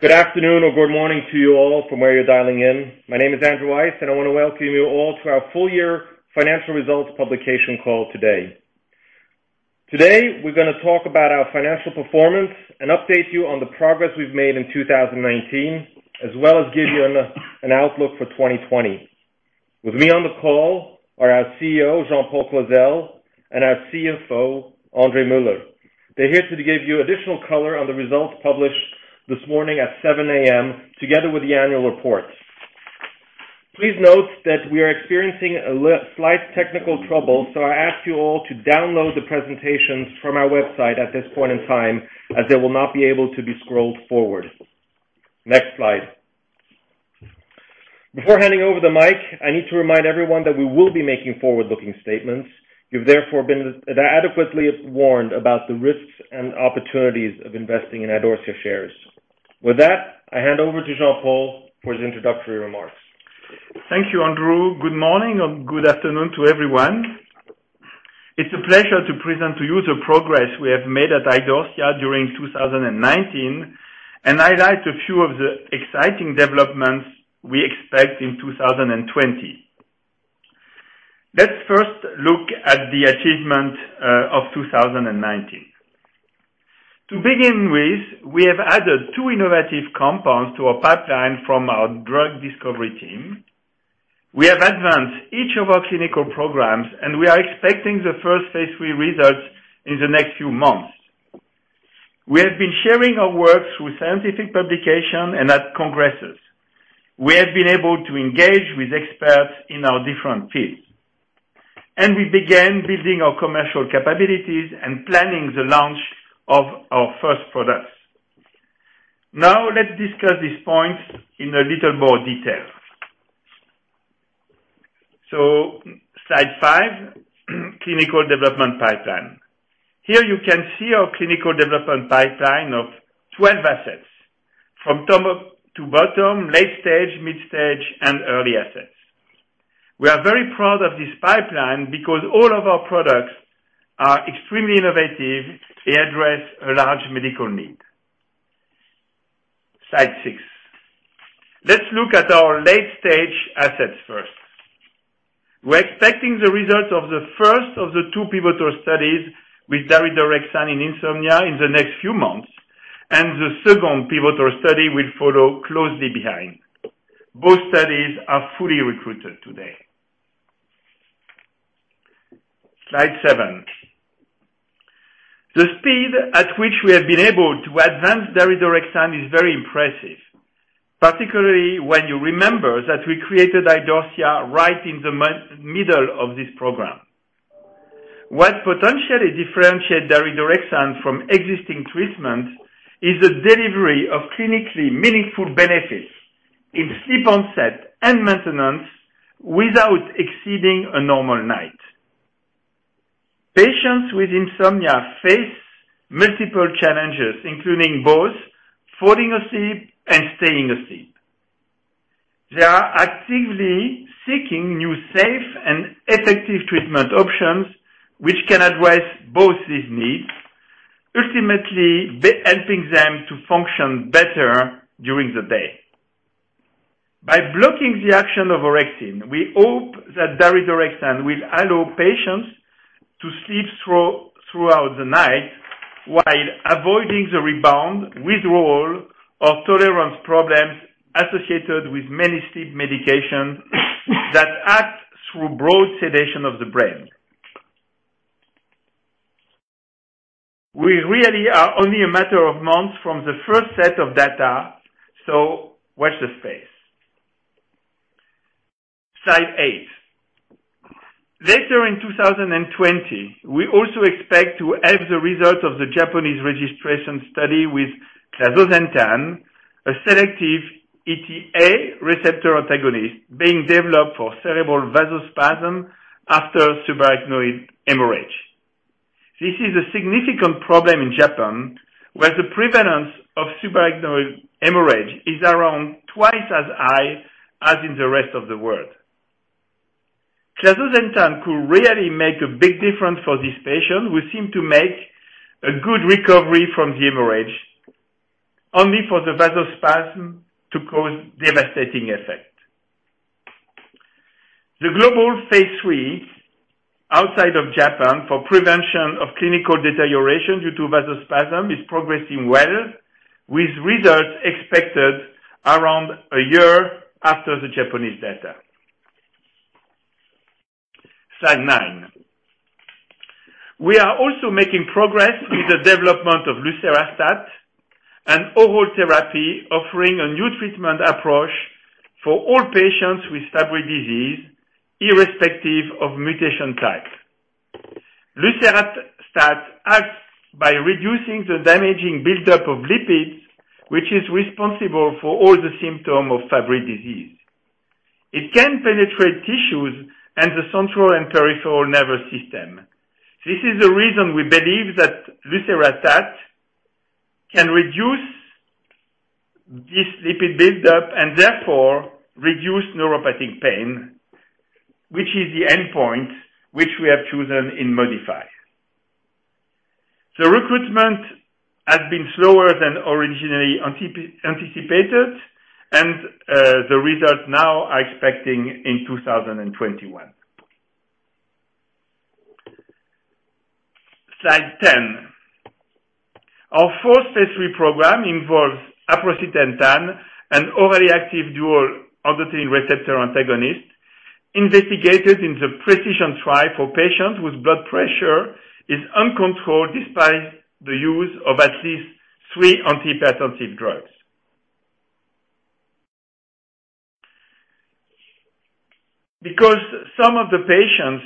Good afternoon or good morning to you all from where you're dialing in. My name is Andrew Weiss. I want to welcome you all to our full year financial results publication call today. Today, we're going to talk about our financial performance and update you on the progress we've made in 2019, as well as give you an outlook for 2020. With me on the call are our CEO, Jean-Paul Clozel, and our CFO, André Muller. They're here to give you additional color on the results published this morning at 7:00 A.M., together with the annual report. Please note that we are experiencing a slight technical trouble. I ask you all to download the presentations from our website at this point in time, as they will not be able to be scrolled forward. Next slide. Before handing over the mic, I need to remind everyone that we will be making forward-looking statements. You've therefore been adequately warned about the risks and opportunities of investing in Idorsia shares. With that, I hand over to Jean-Paul for his introductory remarks. Thank you, Andrew. Good morning or good afternoon to everyone. It's a pleasure to present to you the progress we have made at Idorsia during 2019 and highlight a few of the exciting developments we expect in 2020. Let's first look at the achievement of 2019. To begin with, we have added two innovative compounds to our pipeline from our drug discovery team. We have advanced each of our clinical programs. We are expecting the first phase III results in the next few months. We have been sharing our work through scientific publication and at congresses. We have been able to engage with experts in our different fields. We began building our commercial capabilities and planning the launch of our first products. Let's discuss these points in a little more detail. Slide five, clinical development pipeline. Here you can see our clinical development pipeline of 12 assets. From top to bottom: late-stage, mid-stage, and early assets. We are very proud of this pipeline because all of our products are extremely innovative and address a large medical need. Slide six. Let's look at our late-stage assets first. We're expecting the results of the first of the two pivotal studies with daridorexant in insomnia in the next few months, and the second pivotal study will follow closely behind. Both studies are fully recruited today. Slide seven. The speed at which we have been able to advance daridorexant is very impressive, particularly when you remember that we created Idorsia right in the middle of this program. What potentially differentiate daridorexant from existing treatment is the delivery of clinically meaningful benefits in sleep onset and maintenance without exceeding a normal night. Patients with insomnia face multiple challenges, including both falling asleep and staying asleep. They are actively seeking new safe and effective treatment options which can address both these needs, ultimately helping them to function better during the day. By blocking the action of orexin, we hope that daridorexant will allow patients to sleep throughout the night while avoiding the rebound, withdrawal, or tolerance problems associated with many sleep medications that act through broad sedation of the brain. We really are only a matter of months from the first set of data. Watch this space. Slide eight. Later in 2020, we also expect to have the result of the Japanese registration study with clazosentan, a selective ETA receptor antagonist being developed for cerebral vasospasm after subarachnoid hemorrhage. This is a significant problem in Japan, where the prevalence of subarachnoid hemorrhage is around twice as high as in the rest of the world. clazosentan could really make a big difference for these patients who seem to make a good recovery from the hemorrhage, only for the vasospasm to cause devastating effect. The global phase III outside of Japan for prevention of clinical deterioration due to vasospasm is progressing well, with results expected around a year after the Japanese data. Slide nine. We are also making progress with the development of lucerastat, an oral therapy offering a new treatment approach for all patients with Fabry disease, irrespective of mutation type. lucerastat acts by reducing the damaging buildup of lipids, which is responsible for all the symptoms of Fabry disease. It can penetrate tissues and the central and peripheral nervous system. This is the reason we believe that lucerastat can reduce this lipid buildup and therefore reduce neuropathic pain, which is the endpoint which we have chosen in MODIFY. The recruitment has been slower than originally anticipated, and the results now are expecting in 2021. Slide 10. Our first phase III program involves aprocitentan, an overly active dual endothelin receptor antagonist, investigated in the PRECISION trial for patients whose blood pressure is uncontrolled despite the use of at least three antihypertensive drugs. Because some of the patients,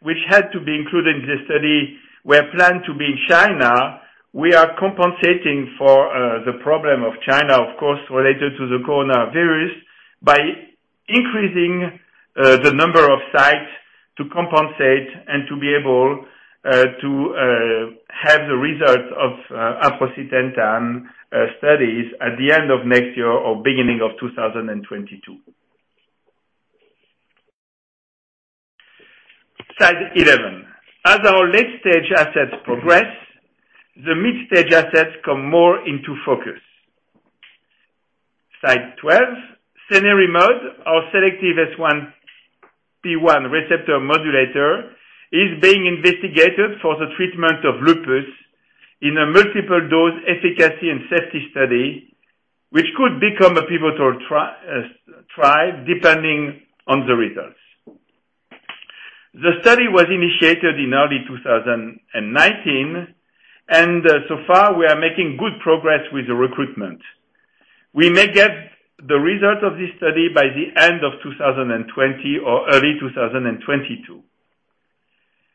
which had to be included in the study, were planned to be in China, we are compensating for the problem of China, of course, related to the coronavirus, by increasing the number of sites to compensate and to be able to have the results of aprocitentan studies at the end of next year or beginning of 2022. Slide 11. As our late-stage assets progress, the mid-stage assets come more into focus. Slide 12. cenerimod, our selective S1P1 receptor modulator, is being investigated for the treatment of lupus in a multiple dose efficacy and safety study, which could become a pivotal trial depending on the results. The study was initiated in early 2019. So far we are making good progress with the recruitment. We may get the result of this study by the end of 2020 or early 2022.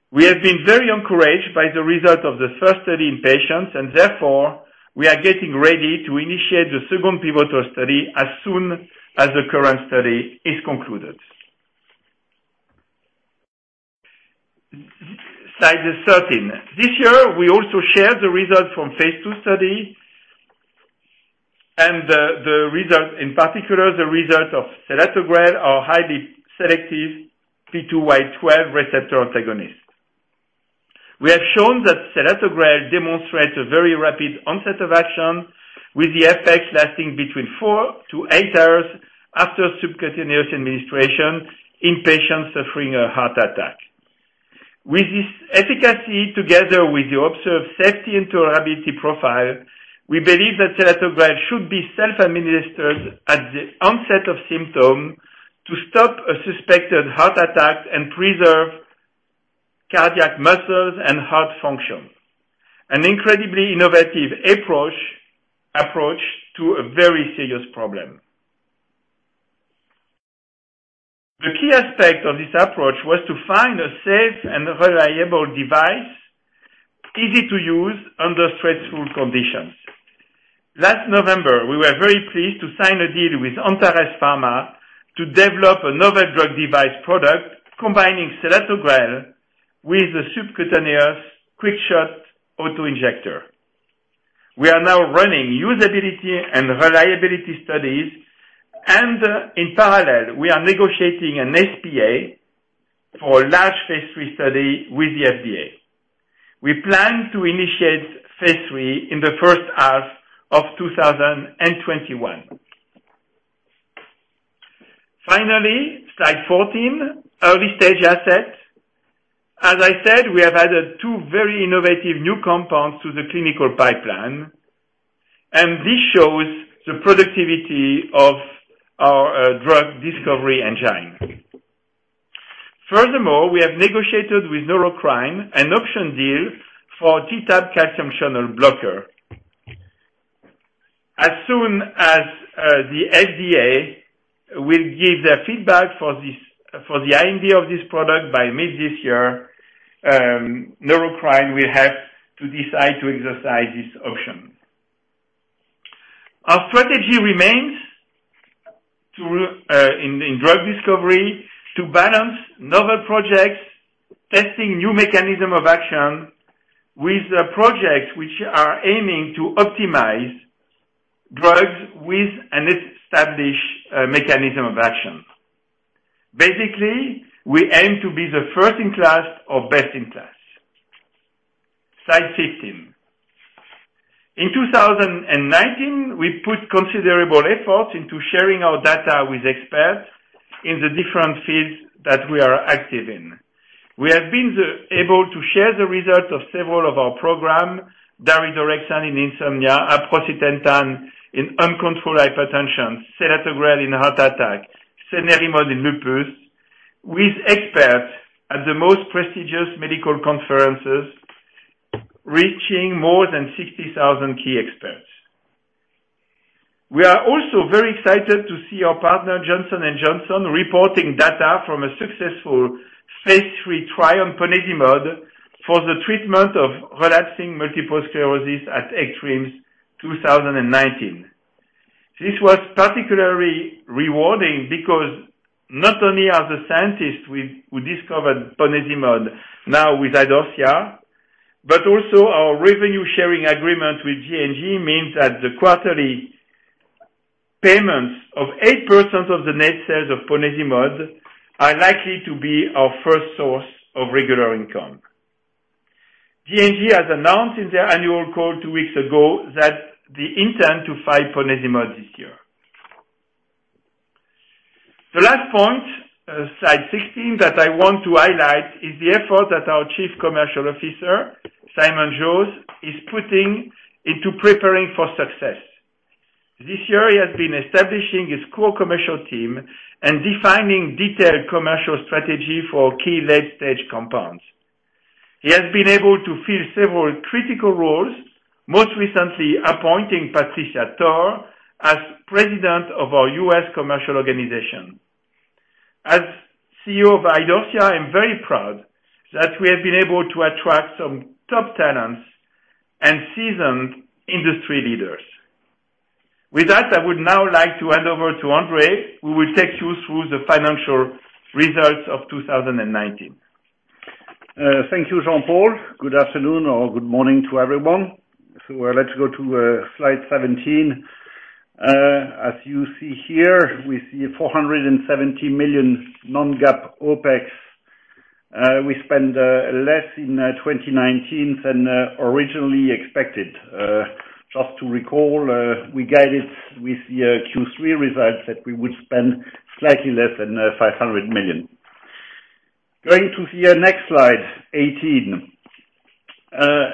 We have been very encouraged by the result of the first study in patients. Therefore, we are getting ready to initiate the second pivotal study as soon as the current study is concluded. Slide 13. This year, we also share the results from phase II study. The result, in particular, the result of selatogrel, our highly selective P2Y12 receptor antagonist. We have shown that selatogrel demonstrates a very rapid onset of action with the effect lasting between four to eight hours after subcutaneous administration in patients suffering a heart attack. With this efficacy together with the observed safety and tolerability profile, we believe that selatogrel should be self-administered at the onset of symptom to stop a suspected heart attack and preserve cardiac muscles and heart function. An incredibly innovative approach to a very serious problem. The key aspect of this approach was to find a safe and reliable device, easy to use under stressful conditions. Last November, we were very pleased to sign a deal with Antares Pharma to develop a novel drug device product combining selatogrel with a subcutaneous QuickShot Auto Injector. We are now running usability and reliability studies, and in parallel, we are negotiating an SPA for a large phase III study with the FDA. We plan to initiate phase III in the first half of 2021. Slide 14, early-stage assets. As I said, we have added two very innovative new compounds to the clinical pipeline, and this shows the productivity of our drug discovery engine. We have negotiated with Neurocrine an option deal for T-type calcium channel blocker. The FDA will give their feedback for the IND of this product by mid this year, Neurocrine will have to decide to exercise this option. Our strategy remains in drug discovery to balance novel projects, testing new mechanism of action with the projects which are aiming to optimize drugs with an established mechanism of action. We aim to be the first in class or best in class. Slide 15. In 2019, we put considerable effort into sharing our data with experts in the different fields that we are active in. We have been able to share the results of several of our program, daridorexant in insomnia, aprocitentan in uncontrolled hypertension, selatogrel in heart attack, cenerimod in lupus, with experts at the most prestigious medical conferences, reaching more than 60,000 key experts. We are also very excited to see our partner, Johnson & Johnson, reporting data from a successful phase III trial on ponesimod for the treatment of relapsing multiple sclerosis at ECTRIMS 2019. This was particularly rewarding because not only are the scientists who discovered ponesimod now with Idorsia, but also our revenue sharing agreement with J&J means that the quarterly payments of 8% of the net sales of ponesimod are likely to be our first source of regular income. J&J has announced in their annual call two weeks ago that they intend to file ponesimod this year. The last point, slide 16, that I want to highlight is the effort that our Chief Commercial Officer, Simon Jose, is putting into preparing for success. This year, he has been establishing his core commercial team and defining detailed commercial strategy for key late-stage compounds. He has been able to fill several critical roles, most recently appointing Patricia Torr as President of our U.S. commercial organization. As CEO of Idorsia, I'm very proud that we have been able to attract some top talents and seasoned industry leaders. With that, I would now like to hand over to André, who will take you through the financial results of 2019. Thank you, Jean-Paul. Good afternoon or good morning to everyone. Let's go to slide 17. As you see here, we see 470 million non-GAAP OpEx. We spent less in 2019 than originally expected. Just to recall, we guided with the Q3 results that we would spend slightly less than 500 million. Going to the next slide, 18.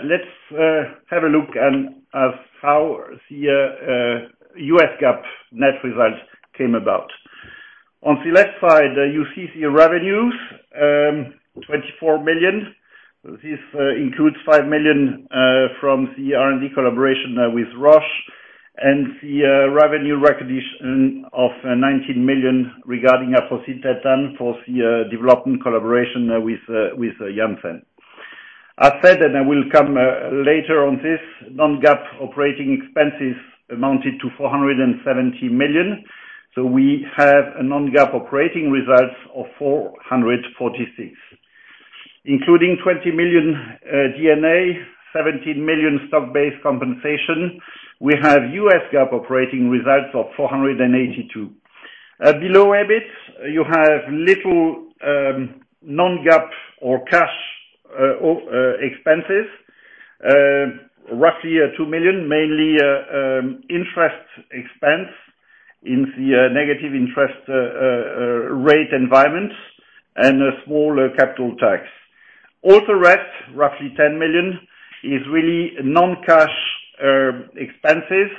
Let's have a look at how the U.S. GAAP net results came about. On the left side, you see the revenues, 24 million. This includes 5 million from the R&D collaboration with Roche and the revenue recognition of 19 million regarding aprocitentan for the development collaboration with Janssen. I said, and I will come later on this, non-GAAP operating expenses amounted to 470 million. We have a non-GAAP operating result of 446 million. Including 20 million G&A, 17 million stock-based compensation, we have U.S. GAAP operating results of 482 million. Below EBIT, you have little non-GAAP or cash expenses. Roughly 2 million, mainly interest expense in the negative interest rate environment and a small capital tax. Other rates, roughly 10 million, is really non-cash expenses,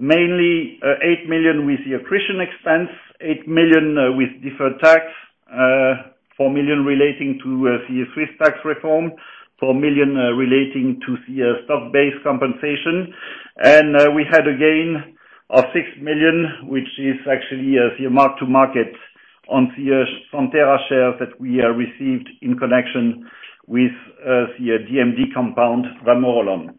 mainly 8 million with the accretion expense, 8 million with deferred tax, 4 million relating to the Swiss tax reform, 4 million relating to the stock-based compensation. We had a gain of 6 million, which is actually the market to market on the Santhera shares that we received in connection with the DMD compound, vamorolone.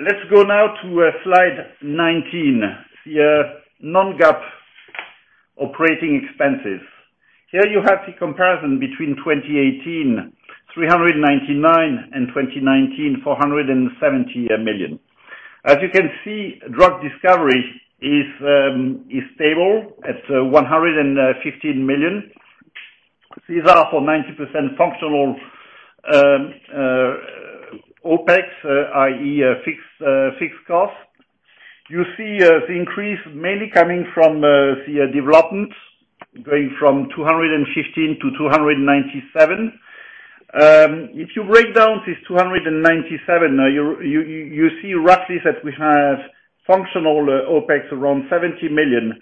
Let's go now to slide 19, the non-GAAP operating expenses. Here you have the comparison between 2018, 399 and 2019, 470 million. As you can see, drug discovery is stable at 115 million. These are for 90% functional OPEX, i.e., fixed cost. You see the increase mainly coming from the development, going from 215 to 297. If you break down this 297, you see roughly that we have functional OpEx around 70 million,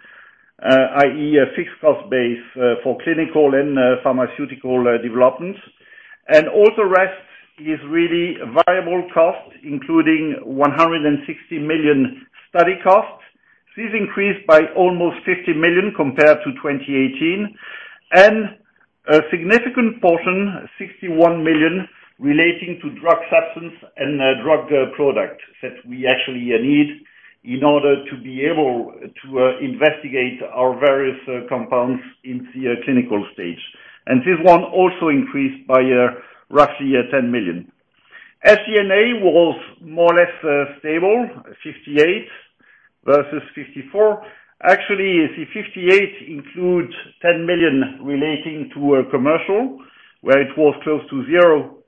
i.e., fixed cost base for clinical and pharmaceutical development. All the rest is really variable cost, including 160 million study cost. This increased by almost 50 million compared to 2018. A significant portion, 61 million, relating to drug substance and drug product that we actually need in order to be able to investigate our various compounds into a clinical stage. This one also increased by roughly 10 million. SG&A was more or less stable, 58 versus 54. Actually, the 58 includes 10 million relating to commercial, where it was close to zero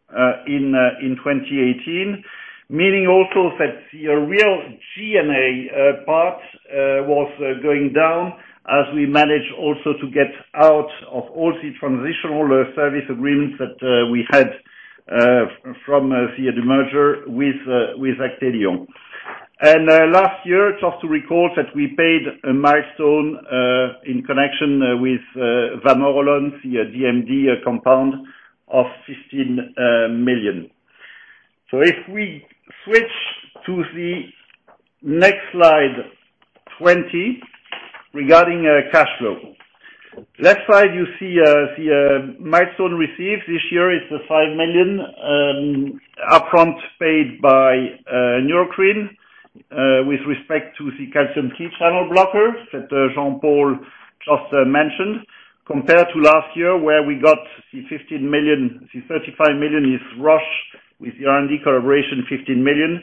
in 2018. Meaning also that the real G&A part was going down as we managed also to get out of all the transitional service agreements that we had from the merger with Actelion. Last year, just to recall, that we paid a milestone in connection with vamorolone, the DMD compound of 15 million. If we switch to the next slide 20, regarding cash flow. Left side, you see the milestone received this year. It's the 5 million upfront paid by Neurocrine with respect to the T-type calcium channel blocker that Jean-Paul just mentioned, compared to last year, where we got the 35 million with Roche, with R&D collaboration, 15 million,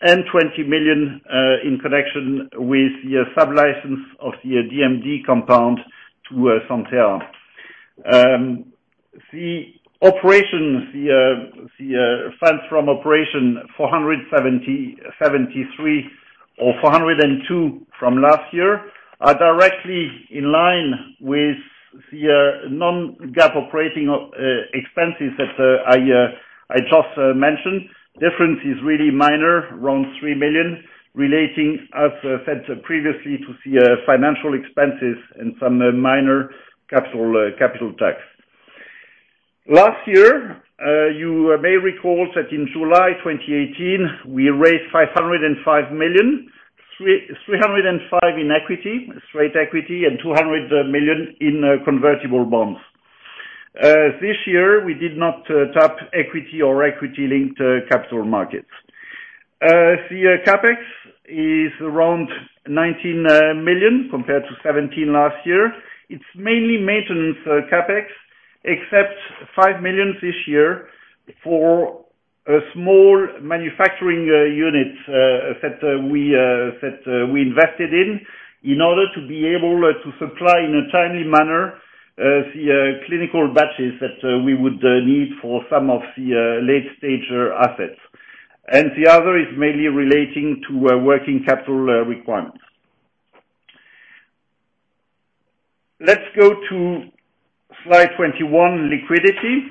and 20 million, in connection with the sub-license of the DMD compound to Santhera. The funds from operation 473 or 402 from last year are directly in line with the non-GAAP OpEx that I just mentioned. Difference is really minor, around 3 million, relating, as said previously, to see financial expenses and some minor capital tax. Last year, you may recall that in July 2018, we raised 505 million, 305 in equity, straight equity, and 200 million in convertible bonds. This year, we did not tap equity or equity-linked capital markets. The CapEx is around 19 million compared to 17 last year. It's mainly maintenance CapEx, except 5 million this year for a small manufacturing unit that we invested in order to be able to supply in a timely manner the clinical batches that we would need for some of the late-stage assets. The other is mainly relating to working capital requirements. Let's go to slide 21, liquidity.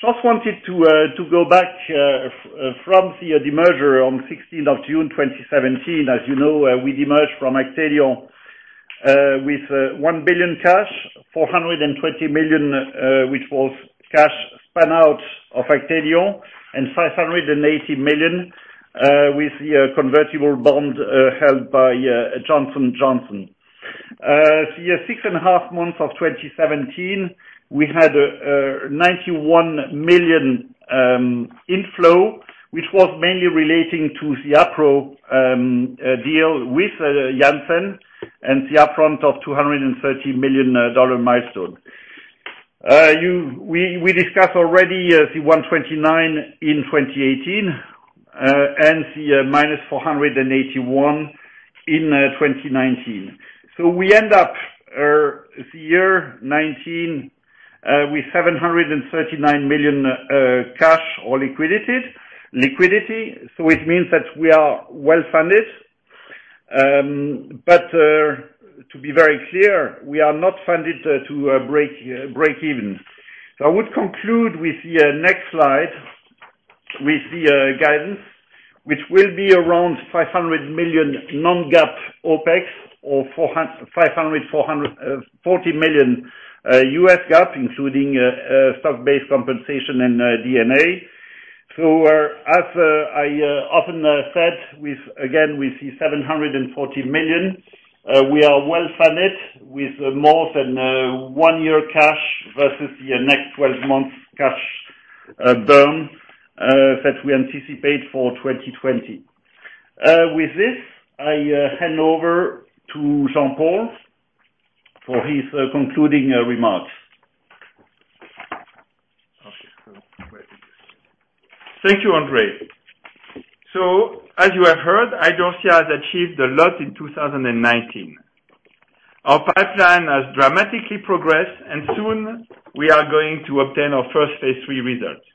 Just wanted to go back from the demerger on June 16th, 2017. As you know, we demerged from Actelion with 1 billion cash, 420 million, which was cash spun out of Actelion, and 580 million with the convertible bond held by Johnson & Johnson. The six and a half months of 2017, we had a 91 million inflow, which was mainly relating to the appro deal with Janssen and the upfront of CHF 230 million milestone. We discussed already the 129 in 2018, the minus 481 in 2019. We end up the year 2019, with 739 million cash or liquidity. It means that we are well-funded. To be very clear, we are not funded to break even. I would conclude with the next slide with the guidance, which will be around $500 million non-GAAP OpEx or $540 million U.S. GAAP, including stock-based compensation and D&A. As I often said, again, with the 740 million, we are well-funded with more than a one-year cash versus the next 12 months cash burn that we anticipate for 2020. With this, I hand over to Jean-Paul for his concluding remarks. Thank you, André. As you have heard, Idorsia has achieved a lot in 2019. Our pipeline has dramatically progressed, and soon we are going to obtain our first phase III results.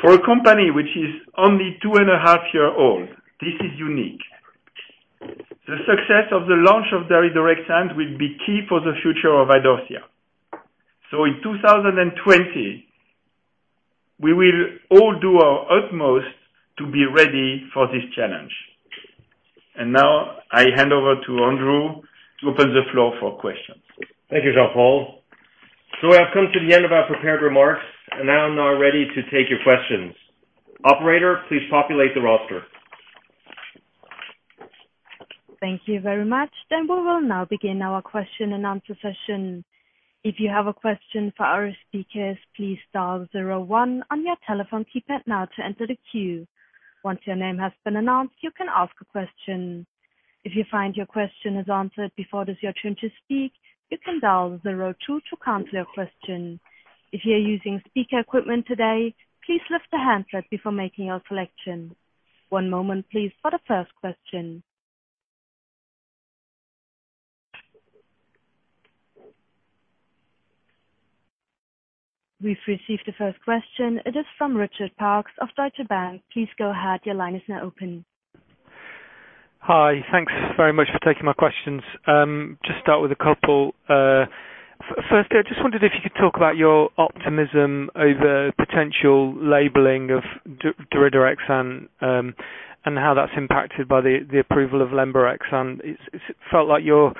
For a company which is only two and a half years old, this is unique. The success of the launch of daridorexant will be key for the future of Idorsia. In 2020, we will all do our utmost to be ready for this challenge. Now I hand over to Andrew to open the floor for questions. Thank you, Jean-Paul. We have come to the end of our prepared remarks, and I'm now ready to take your questions. Operator, please populate the roster. Thank you very much. We will now begin our Q&A session. If you have a question for our speakers, please dial zero one on your telephone keypad now to enter the queue. Once your name has been announced, you can ask a question. If you find your question is answered before it is your turn to speak, you can dial zero two to cancel your question. If you're using speaker equipment today, please lift the handset before making your selection. One moment, please, for the first question. We've received the first question. It is from Richard Parkes of Deutsche Bank. Please go ahead. Your line is now open. Hi. Thanks very much for taking my questions. Just start with a couple. Firstly, I just wondered if you could talk about your optimism over potential labeling of daridorexant, and how that's impacted by the approval of suvorexant. It felt like your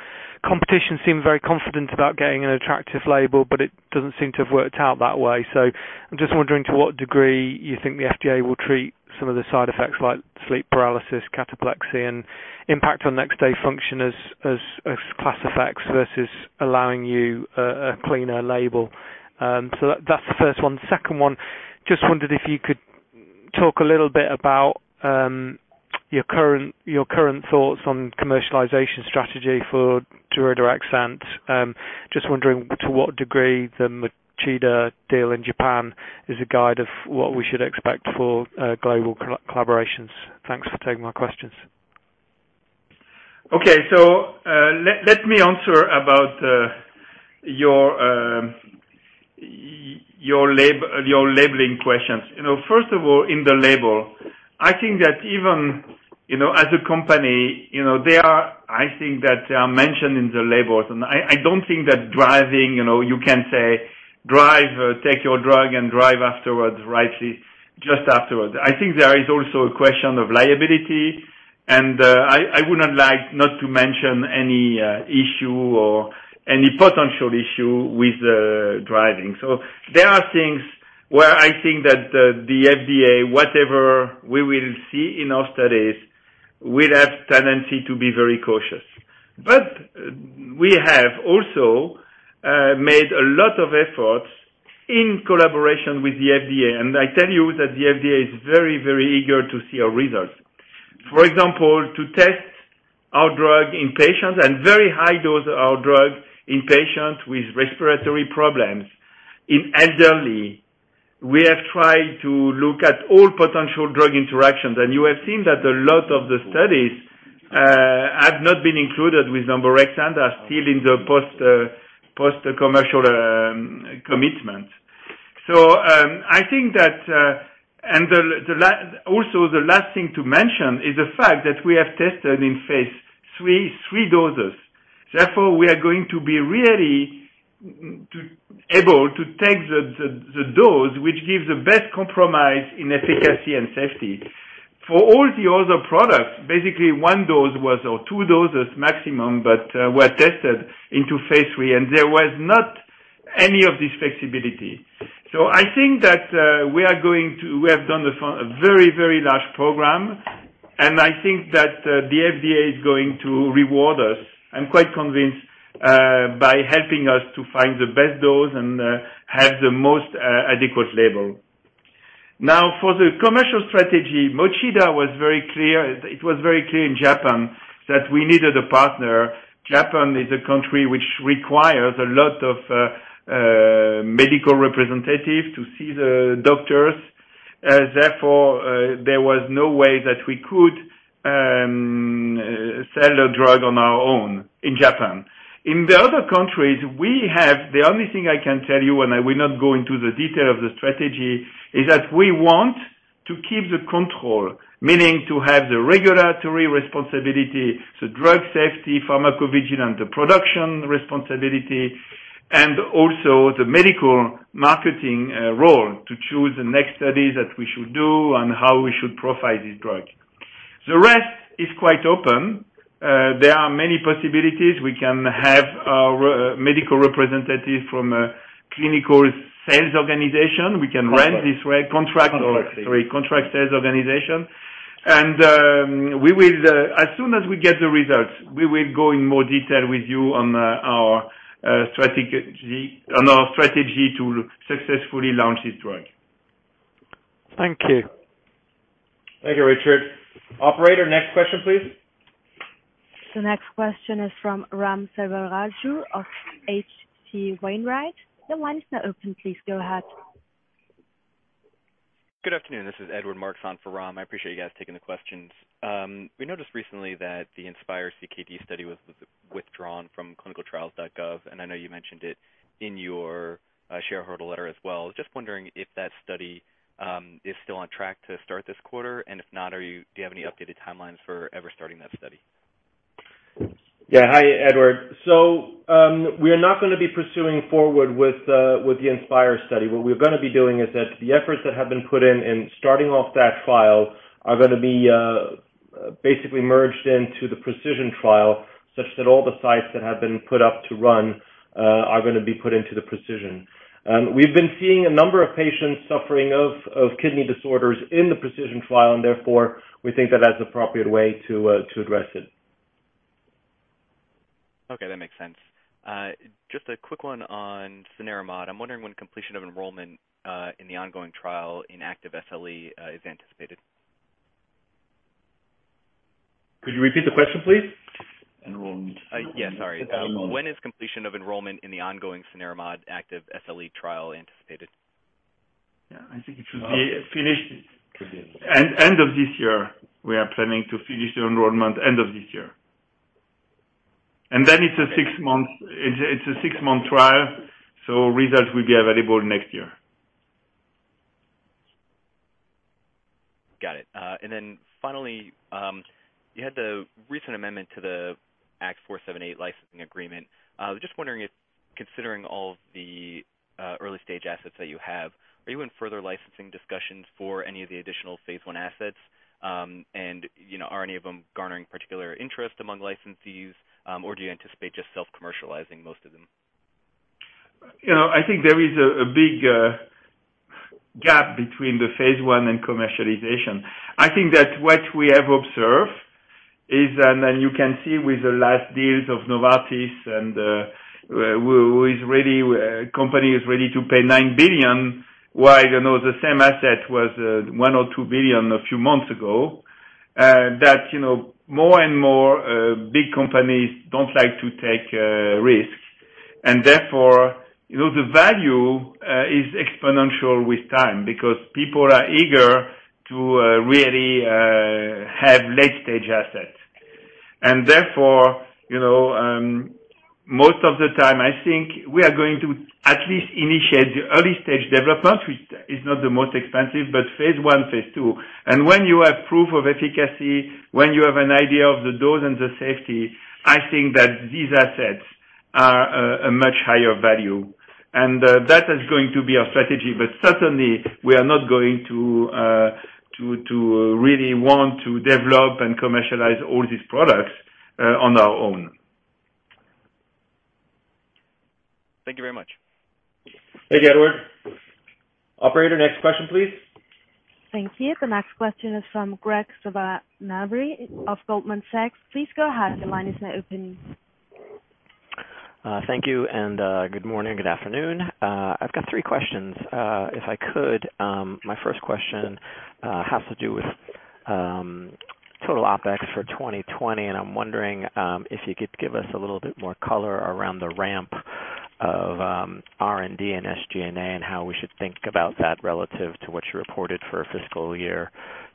competition seemed very confident about getting an attractive label, it doesn't seem to have worked out that way. I'm just wondering to what degree you think the FDA will treat some of the side effects like sleep paralysis, cataplexy, and impact on next day function as class effects versus allowing you a cleaner label. That's the first one. Second one, just wondered if you could talk a little bit about your current thoughts on commercialization strategy for daridorexant. Just wondering to what degree the Mochida deal in Japan is a guide of what we should expect for global collaborations. Thanks for taking my questions. Okay. Let me answer about your labeling questions. First of all, in the label, I think that even as a company, I think that they are mentioned in the labels, and I don't think that driving, you can say, "Drive, take your drug, and drive afterwards rightly just afterwards." I think there is also a question of liability, and I would not like not to mention any issue or any potential issue with driving. There are things where I think that the FDA, whatever we will see in our studies, will have tendency to be very cautious. We have also made a lot of efforts in collaboration with the FDA, and I tell you that the FDA is very eager to see our results. For example, to test our drug in patients and very high dose our drug in patients with respiratory problems, in elderly. We have tried to look at all potential drug interactions, and you have seen that a lot of the studies have not been included with daridorexant are still in the post-commercial commitment. Also, the last thing to mention is the fact that we have tested in phase III, three doses. Therefore, we are going to be really able to take the dose, which gives the best compromise in efficacy and safety. For all the other products, basically one dose or two doses maximum, but were tested into phase III, and there was not any of this flexibility. I think that we have done a very large program, and I think that the FDA is going to reward us, I'm quite convinced, by helping us to find the best dose and have the most adequate label. Now, for the commercial strategy, Mochida was very clear. It was very clear in Japan that we needed a partner. Japan is a country which requires a lot of medical representatives to see the doctors. There was no way that we could sell a drug on our own in Japan. In the other countries, the only thing I can tell you, and I will not go into the detail of the strategy, is that we want to keep the control. Meaning to have the regulatory responsibility, the drug safety, pharmacovigilance, the production responsibility, and also the medical marketing role to choose the next studies that we should do and how we should profile this drug. The rest is quite open. There are many possibilities. We can have our medical representative from a clinical sales organization. We can rent this contract. Sorry, contract sales organization. As soon as we get the results, we will go in more detail with you on our strategy to successfully launch this drug. Thank you. Thank you, Richard. Operator, next question, please. The next question is from Ram Selvaraju of H.C. Wainwright & Co. Your line is now open. Please go ahead. Good afternoon. This is Edward [White], on for Ram. I appreciate you guys taking the questions. We noticed recently that the INSPIRE-CKD study was withdrawn from clinicaltrials.gov, and I know you mentioned it in your shareholder letter as well. Just wondering if that study is still on track to start this quarter, and if not, do you have any updated timelines for ever starting that study? Yeah. Hi, Edward. We are not going to be pursuing forward with the INSPIRE-CKD study. What we're going to be doing is that the efforts that have been put in starting off that file are going to be basically merged into the PRECISION trial, such that all the sites that have been put up to run are going to be put into the PRECISION. We've been seeing a number of patients suffering of kidney disorders in the PRECISION trial, and therefore, we think that that's appropriate way to address it. Okay, that makes sense. Just a quick one on cenerimod. I'm wondering when completion of enrollment in the ongoing trial in active SLE is anticipated. Could you repeat the question, please? Enrollment. Yeah, sorry. When is completion of enrollment in the ongoing cenerimod active SLE trial anticipated? Yeah, I think it should be finished end of this year. We are planning to finish the enrollment end of this year. It's a six-month trial, results will be available next year. Got it. Finally, you had the recent amendment to the ACT-541468 licensing agreement. I was just wondering if, considering all of the early-stage assets that you have, are you in further licensing discussions for any of the additional phase I assets? Are any of them garnering particular interest among licensees? Do you anticipate just self-commercializing most of them? I think there is a big gap between the phase I and commercialization. I think that what we have observed. You can see with the last deals of Novartis, the company is ready to pay 9 billion, while the same asset was 1 billion or 2 billion a few months ago, that more and more big companies don't like to take risks. Therefore, the value is exponential with time because people are eager to really have late-stage assets. Therefore, most of the time, I think we are going to at least initiate the early-stage development, which is not the most expensive, but phase I, phase II. When you have proof of efficacy, when you have an idea of the dose and the safety, I think that these assets are a much higher value. That is going to be our strategy. Certainly, we are not going to really want to develop and commercialize all these products on our own. Thank you very much. Thank you, Edward. Operator, next question, please. Thank you. The next question is from Graig Suvannavejh of Goldman Sachs. Please go ahead. The line is now open. Thank you, and good morning, good afternoon. I've got three questions. If I could, my first question has to do with total OpEx for 2020, and I'm wondering if you could give us a little bit more color around the ramp of R&D and SG&A and how we should think about that relative to what you reported for fiscal year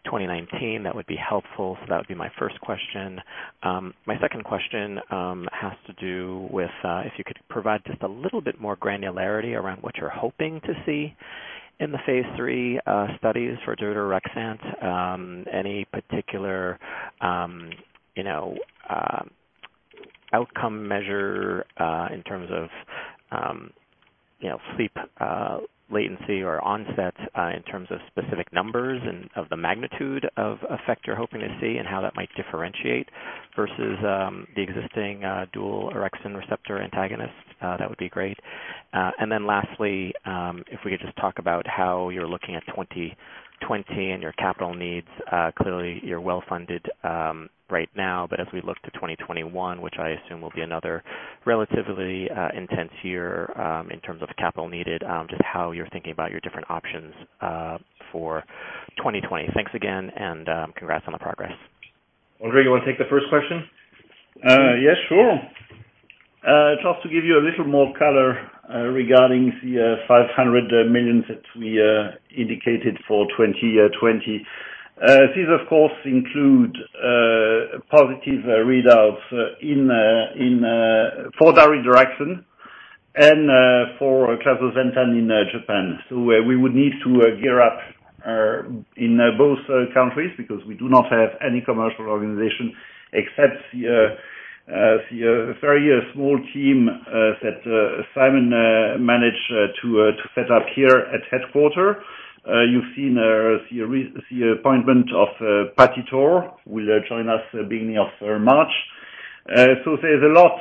2019. That would be helpful. That would be my first question. My second question has to do with, if you could provide just a little bit more granularity around what you're hoping to see in the phase III studies for daridorexant. Any particular outcome measure in terms of sleep latency or onset in terms of specific numbers and of the magnitude of effect you're hoping to see and how that might differentiate versus the existing dual orexin receptor antagonist. That would be great. Lastly, if we could just talk about how you're looking at 2020 and your capital needs. Clearly, you're well-funded right now, but as we look to 2021, which I assume will be another relatively intense year in terms of capital needed, just how you're thinking about your different options for 2020. Thanks again, and congrats on the progress. Jean-Paul, you want to take the first question? Yes, sure. Just to give you a little more color regarding the 500 million that we indicated for 2020. These, of course, include positive readouts for daridorexant and for clazosentan in Japan. We would need to gear up in both countries because we do not have any commercial organization except the very small team that Simon managed to set up here at headquarters. You've seen the appointment of Patty Torr, will join us beginning of March. There's a lot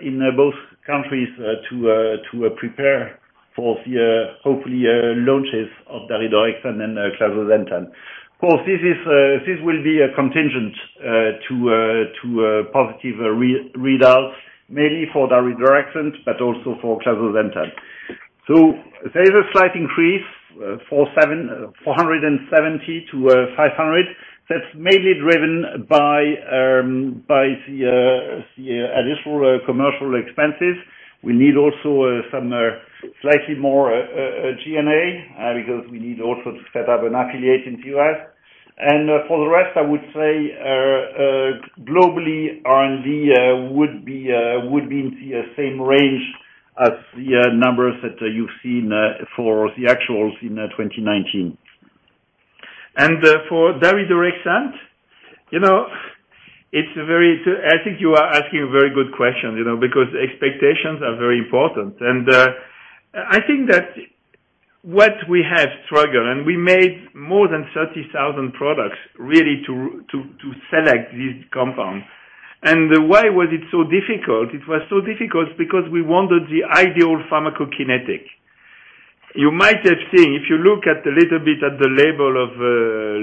in both countries to prepare for the, hopefully, launches of daridorexant and then clazosentan. Of course, this will be a contingent to a positive readout, mainly for daridorexant, but also for clazosentan. There's a slight increase, 470 to 500. That's mainly driven by the additional commercial expenses. We need also some slightly more G&A because we need also to set up an affiliate in the U.S. For the rest, I would say, globally, R&D would be in the same range as the numbers that you've seen for the actuals in 2019. For daridorexant, I think you are asking a very good question, because expectations are very important. I think that what we have struggled, and we made more than 30,000 products really to select this compound. Why was it so difficult? It was so difficult because we wanted the ideal pharmacokinetic. You might have seen, if you look at a little bit at the label of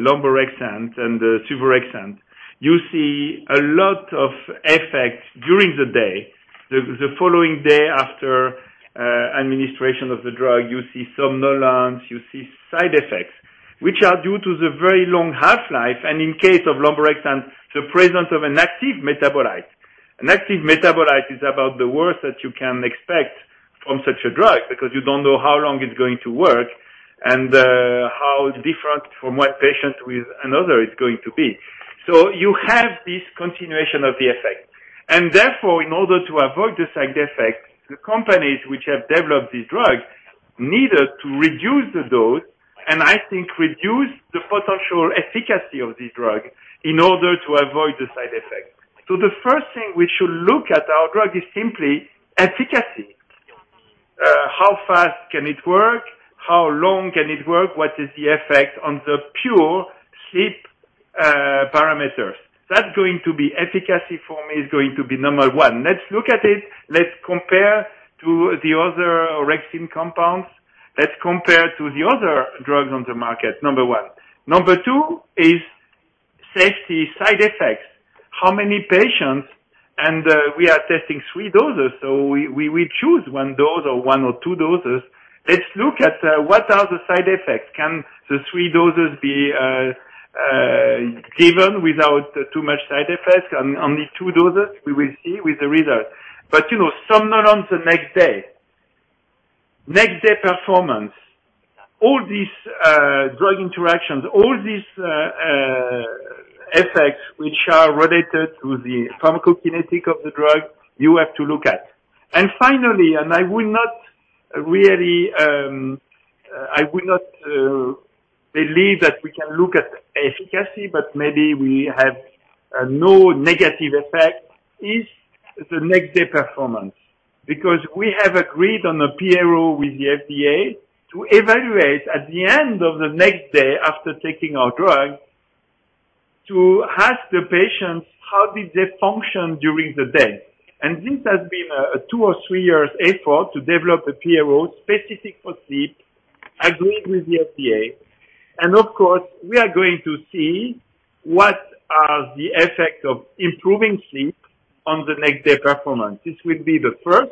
lemborexant and suvorexant, you see a lot of effect during the day, the following day after administration of the drug. You see somnolence, you see side effects, which are due to the very long half-life, and in case of lemborexant, the presence of an active metabolite. An active metabolite is about the worst that you can expect from such a drug because you don't know how long it's going to work and how different from what patient with another is going to be. You have this continuation of the effect, and therefore, in order to avoid the side effects, the companies which have developed these drugs needed to reduce the dose, and I think reduce the potential efficacy of the drug in order to avoid the side effects. The first thing we should look at our drug is simply efficacy. How fast can it work? How long can it work? What is the effect on the pure sleep parameters? That's going to be efficacy for me is going to be number one. Let's look at it. Let's compare to the other orexin compounds. Let's compare to the other drugs on the market, number one. Number two is safety side effects. How many patients, and we are testing three doses, so we choose one dose or one or two doses. Let's look at what are the side effects. Can the three doses be given without too much side effects? Only two doses? We will see with the result. Somnolence the next day, next-day performance, all these drug interactions, all these effects which are related to the pharmacokinetic of the drug, you have to look at. Finally, I would not believe that we can look at efficacy, but maybe we have no negative effect, is the next-day performance. Because we have agreed on a PRO with the FDA to evaluate at the end of the next day after taking our drug, to ask the patients how did they function during the day. This has been a two or three years effort to develop a PRO specific for sleep, agreed with the FDA. Of course, we are going to see what are the effect of improving sleep on the next-day performance. This will be the first.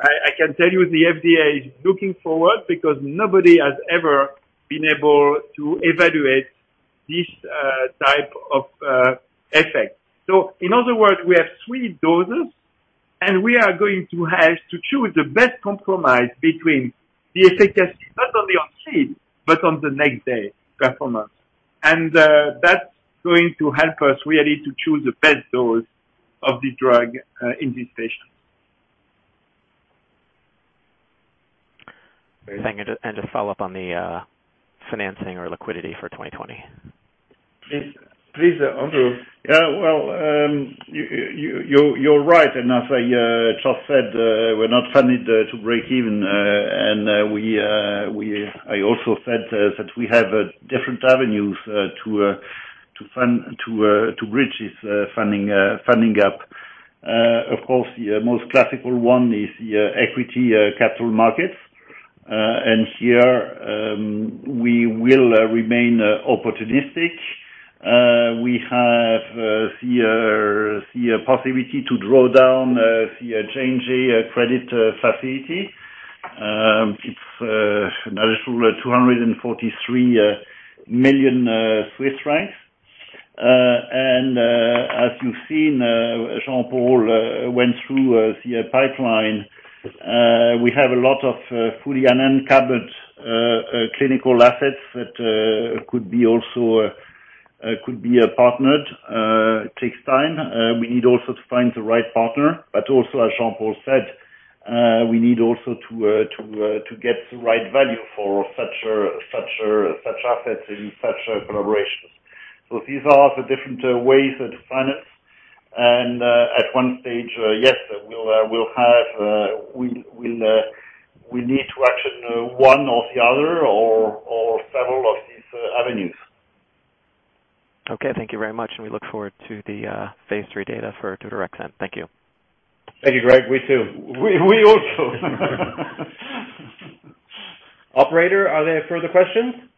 I can tell you the FDA is looking forward because nobody has ever been able to evaluate this type of effect. In other words, we have three doses, and we are going to have to choose the best compromise between the efficacy, not only on sleep, but on the next-day performance. That's going to help us really to choose the best dose of the drug in these patients. Thank you. Just follow up on the financing or liquidity for 2020. Please, André. Well, you're right. As Jean-Paul said, we're not funded to break even. I also said that we have different avenues to bridge this funding gap. Of course, the most classical one is the equity capital markets. Here, we will remain opportunistic. We have the possibility to draw down the JNJ credit facility. It's now CHF 243 million. As you've seen, Jean-Paul went through the pipeline. We have a lot of fully uncovered clinical assets that could be partnered. It takes time. We need also to find the right partner. Also, as Jean-Paul said, we need also to get the right value for such assets in such collaborations. These are the different ways to finance. At one stage, yes, we'll need to action one or the other or several of these avenues. Okay, thank you very much, and we look forward to the phase III data for daridorexant. Thank you. Thank you, Graig. We too. We also. Operator, are there further questions?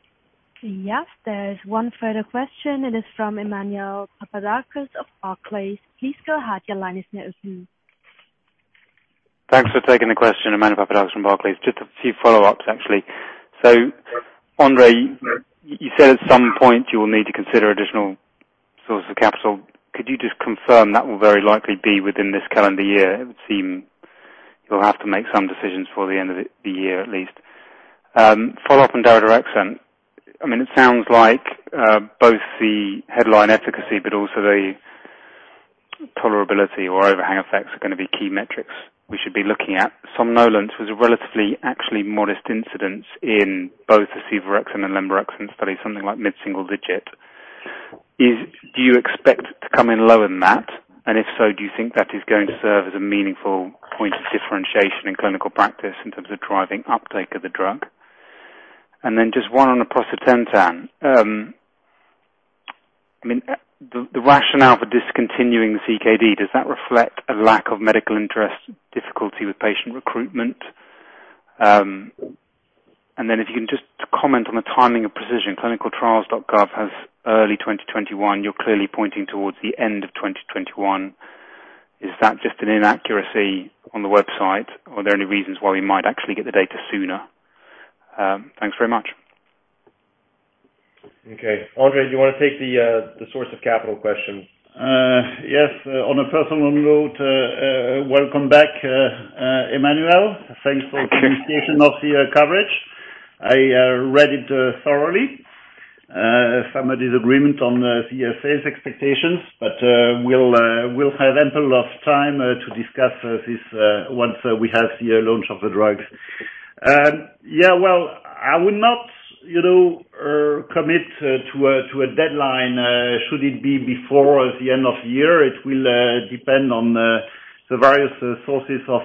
Yes, there's one further question. It is from Emmanuel Papadakis of Barclays. Please go ahead. Your line is now open. Thanks for taking the question. Emmanuel Papadakis from Barclays. Just a few follow-ups, actually. André, you said at some point you will need to consider additional sources of capital. Could you just confirm that will very likely be within this calendar year? It would seem you'll have to make some decisions before the end of the year, at least. Follow-up on daridorexant. It sounds like both the headline efficacy, but also the tolerability or overhang effects are going to be key metrics we should be looking at. Somnolence was a relatively actually modest incidence in both the suvorexant and lemborexant study, something like mid-single digit. Do you expect to come in lower than that? If so, do you think that is going to serve as a meaningful point of differentiation in clinical practice in terms of driving uptake of the drug? Just one on the aprocitentan. The rationale for discontinuing the CKD, does that reflect a lack of medical interest, difficulty with patient recruitment? If you can just comment on the timing of PRECISION. clinicaltrials.gov has early 2021. You're clearly pointing towards the end of 2021. Is that just an inaccuracy on the website? Are there any reasons why we might actually get the data sooner? Thanks very much. Okay. André, do you want to take the source of capital question? Yes. On a personal note, welcome back, Emmanuel. Thanks for communication of the coverage. I read it thoroughly. Some disagreement on the sales expectations, but we'll have ample of time to discuss this once we have the launch of the drugs. Well, I would not commit to a deadline. Should it be before the end of the year, it will depend on the various sources of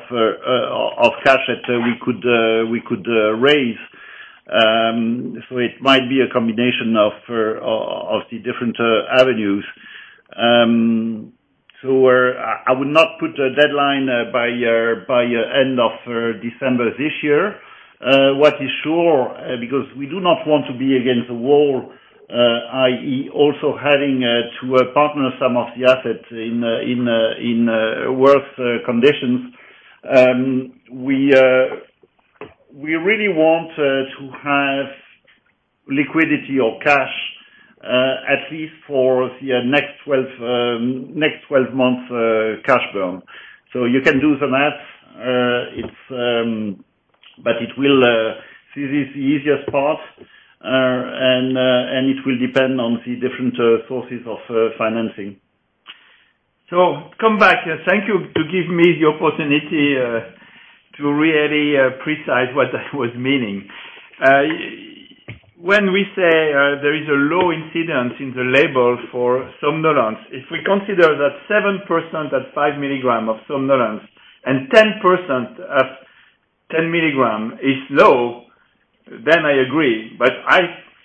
cash that we could raise. It might be a combination of the different avenues. I would not put a deadline by end of December this year. What is sure, because we do not want to be against the wall, i.e., also having to partner some of the assets in worse conditions. We really want to have liquidity or cash at least for the next 12 months cash burn. You can do the math. This is the easiest part, and it will depend on the different sources of financing. Come back. Thank you to give me the opportunity to really precise what I was meaning. When we say there is a low incidence in the label for somnolence, if we consider that 7% at five milligram of somnolence and 10% at 10 milligram is low, then I agree.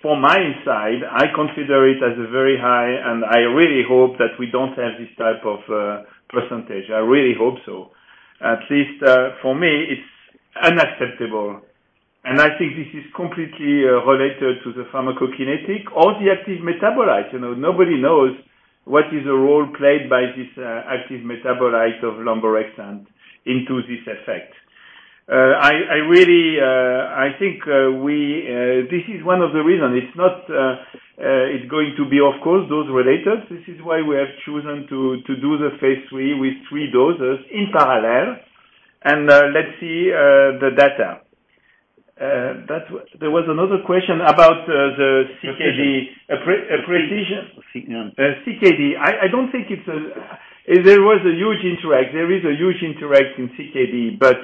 For my side, I consider it as very high, and I really hope that we don't have this type of percentage. I really hope so. At least for me, it's unacceptable. I think this is completely related to the pharmacokinetic or the active metabolite. Nobody knows what is the role played by this active metabolite of lemborexant into this effect. I think this is one of the reasons. It's going to be, of course, dose related. This is why we have chosen to do the phase III with three doses in parallel. Let's see the data. There was another question about the CKD. Precision. Precision. Yeah. CKD. There was a huge interest. There is a huge interest in CKD, but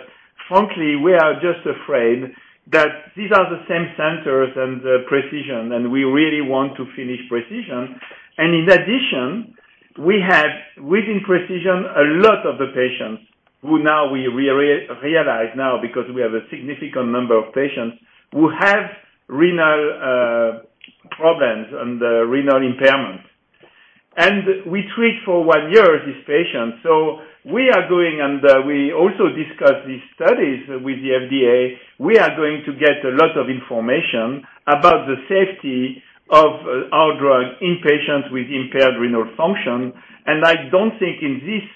frankly, we are just afraid that these are the same centers as PRECISION, and we really want to finish PRECISION. In addition, we have within PRECISION a lot of the patients who we realize now because we have a significant number of patients who have renal problems and renal impairment. We treat for one year this patient. We are going and we also discuss these studies with the FDA. We are going to get a lot of information about the safety of our drug in patients with impaired renal function. I don't think in this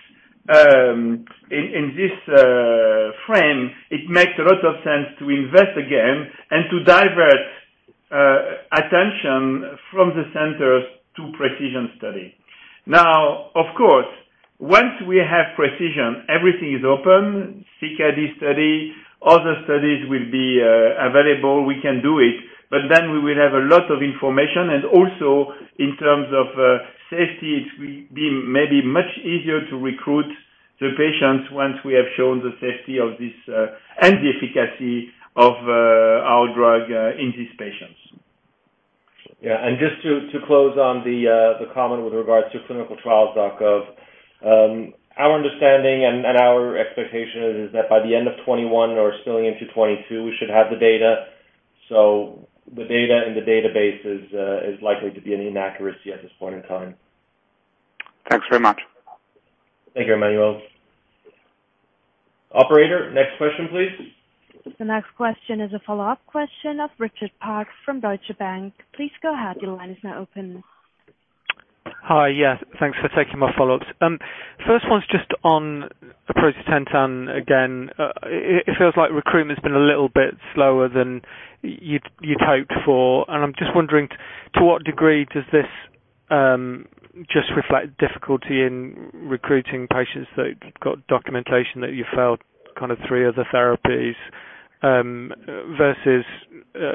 frame, it makes a lot of sense to invest again and to divert attention from the centers to PRECISION study. Of course, once we have PRECISION, everything is open. CKD study, other studies will be available. We can do it, but then we will have a lot of information and also in terms of safety, it will be maybe much easier to recruit the patients once we have shown the safety and the efficacy of our drug in these patients. Just to close on the comment with regards to clinical trials, Jacques. Our understanding and our expectation is that by the end of 2021 or spilling into 2022, we should have the data. The data in the database is likely to be an inaccuracy at this point in time. Thanks very much. Thank you, Emmanuel. Operator, next question, please. The next question is a follow-up question of Richard Parkes from Deutsche Bank. Please go ahead. Your line is now open. Hi. Yes, thanks for taking my follow-ups. First one's just on aprocitentan again. It feels like recruitment's been a little bit slower than you'd hoped for. I'm just wondering to what degree does this just reflect difficulty in recruiting patients that have got documentation that you failed kind of three other therapies versus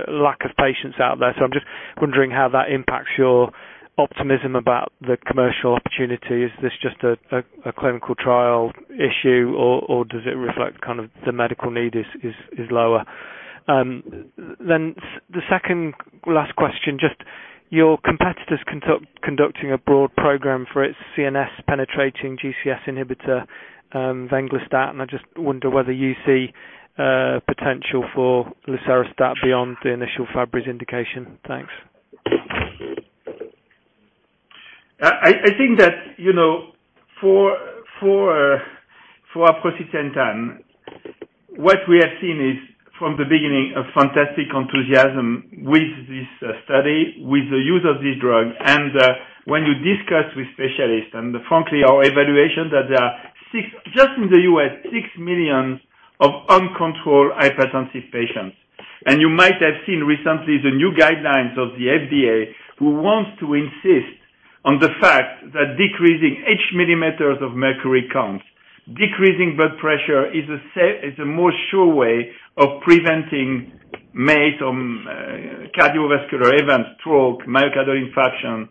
lack of patients out there. I'm just wondering how that impacts your optimism about the commercial opportunity. Is this just a clinical trial issue or does it reflect kind of the medical need is lower? The second last question, just your competitors conducting a broad program for its CNS penetrating GCS inhibitor, venglustat. I just wonder whether you see potential for lucerastat beyond the initial Fabry's indication. Thanks. I think that for aprocitentan, what we have seen is from the beginning, a fantastic enthusiasm with this study, with the use of this drug. When you discuss with specialists, and frankly, our evaluation that there are, just in the U.S., 6 million of uncontrolled hypertensive patients. You might have seen recently the new guidelines of the FDA who wants to insist on the fact that decreasing 8 millimeters of mercury count. Decreasing blood pressure is the most sure way of preventing major cardiovascular events, stroke, myocardial infarction.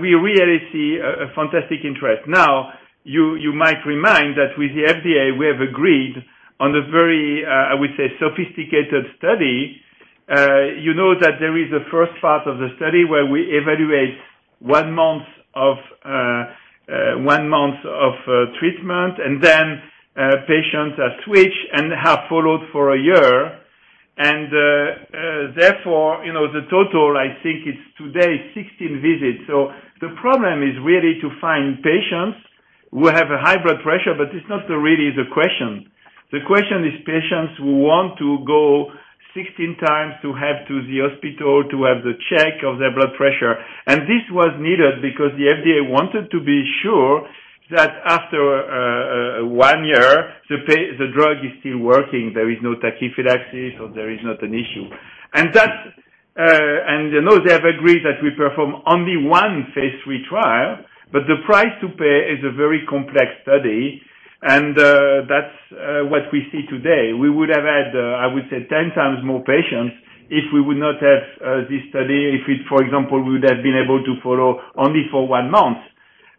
We really see a fantastic interest. Now, you might remind that with the FDA, we have agreed on a very, I would say, sophisticated study. You know that there is a first part of the study where we evaluate 1 month of treatment and then patients are switched and are followed for one year. Therefore, the total, I think it's today 16 visits. The problem is really to find patients who have a high blood pressure, but it's not really the question. The question is patients who want to go 16x to the hospital to have the check of their blood pressure. This was needed because the FDA wanted to be sure that after one year, the drug is still working. There is no tachyphylaxis, or there is not an issue. They have agreed that we perform only one phase III trial, but the price to pay is a very complex study, and that's what we see today. We would have had, I would say, 10x more patients if we would not have this study. If it, for example, we would have been able to follow only for one month.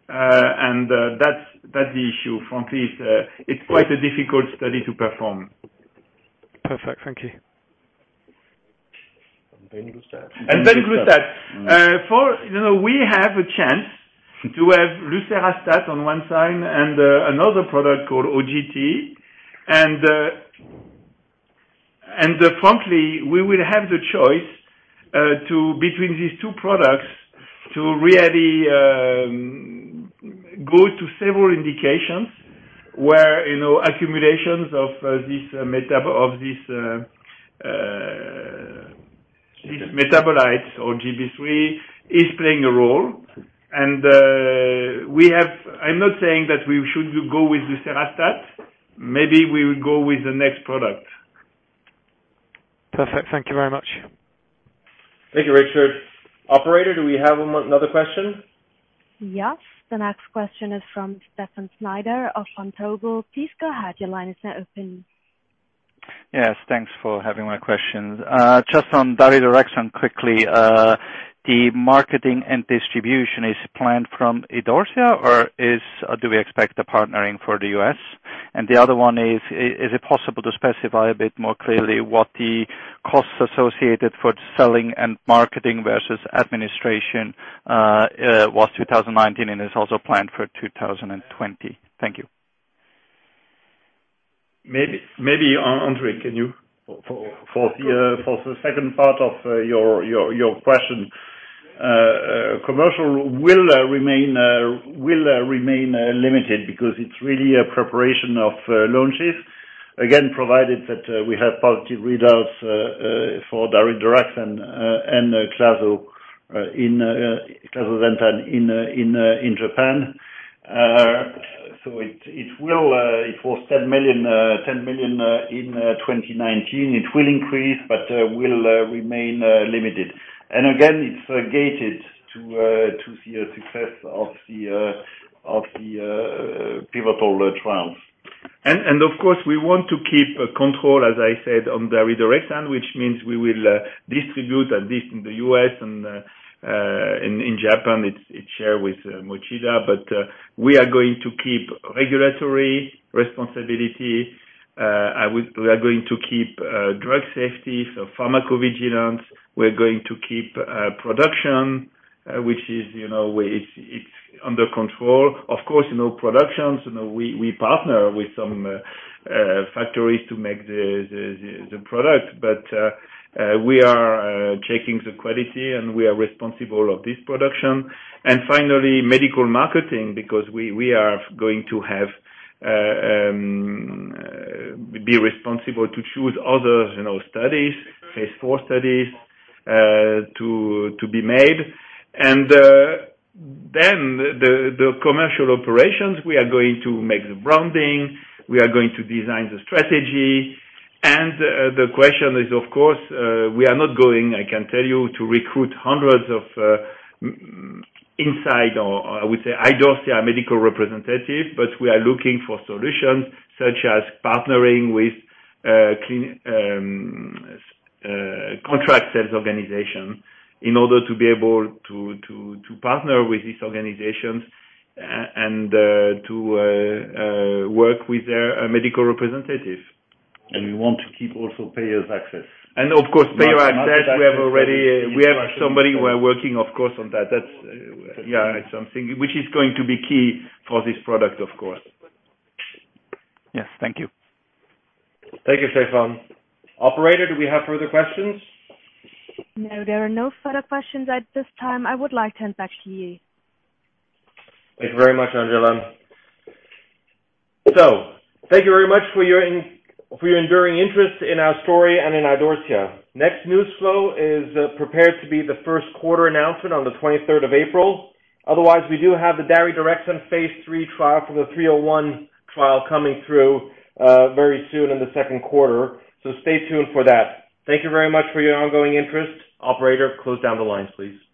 That's the issue, frankly. It's quite a difficult study to perform. Perfect. Thank you. venglustat. venglustat. We have a chance to have Lucerastat on one side and another product called OGT. Frankly, we will have the choice between these two products to really go to several indications where accumulations of these metabolites or GB3 is playing a role. I'm not saying that we should go with Lucerastat. Maybe we will go with the next product. Perfect. Thank you very much. Thank you, Richard. Operator, do we have another question? Yes. The next question is from Stefan Schneider of Vontobel. Please go ahead. Your line is now open. Yes, thanks for having my questions. Just on daridorexant quickly. The marketing and distribution is planned from Idorsia or do we expect the partnering for the U.S.? The other one is. Is it possible to specify a bit more clearly what the costs associated for selling and marketing versus administration was 2019 and is also planned for 2020? Thank you. Maybe, André, can you? For the second part of your question. Commercial will remain limited because it's really a preparation of launches. Provided that we have positive readouts for daridorexant and clazosentan in Japan. It was 10 million in 2019. It will increase, but will remain limited. It's gated to see a success of the pivotal trials. Of course, we want to keep control, as I said, on daridorexant, which means we will distribute at least in the U.S. and in Japan, it is shared with Mochida. We are going to keep regulatory responsibility. We are going to keep drug safety, so pharmacovigilance. We're going to keep production, which is under control. Of course, productions, we partner with some factories to make the product, but we are checking the quality, and we are responsible of this production. Finally, medical marketing, because we are going to be responsible to choose other studies, phase IV studies to be made. The commercial operations, we are going to make the branding, we are going to design the strategy. The question is, of course, we are not going, I can tell you, to recruit hundreds of inside or, I would say, Idorsia medical representative, but we are looking for solutions such as partnering with contract sales organization in order to be able to partner with these organizations and to work with their medical representatives. We want to keep also payers access. Of course, payer access. We have somebody who are working, of course, on that. That's something which is going to be key for this product, of course. Yes. Thank you. Thank you, Stefan. Operator, do we have further questions? No, there are no further questions at this time. I would like to hand back to you. Thank you very much, Angela. Thank you very much for your enduring interest in our story and in Idorsia. Next news flow is prepared to be the first quarter announcement on the 23rd of April. Otherwise, we do have the daridorexant phase III trial for the 301 trial coming through very soon in the second quarter. Stay tuned for that. Thank you very much for your ongoing interest. Operator, close down the lines, please.